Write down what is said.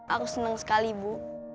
aku senang sekali bu